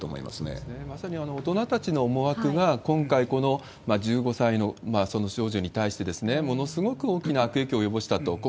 まさに大人たちの思惑が、今回、この１５歳の少女に対して、ものすごく大きな悪影響を及ぼしたと。